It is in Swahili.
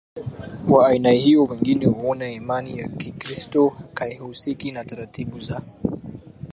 wa aina hiyo Wengine huona imani ya Kikristo haihusiki na taratibu za